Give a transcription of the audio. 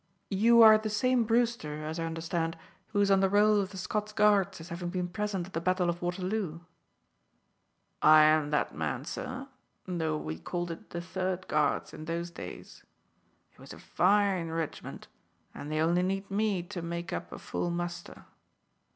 "You are the same Brewster, as I understand, who is on the roll of the Scots Guards as having been present at the battle of Waterloo?" "I am that man, sir, though we called it the Third Guards in those days. It was a fine ridgment, and they only need me to make up a full muster."